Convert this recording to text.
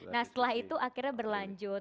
nah setelah itu akhirnya berlanjut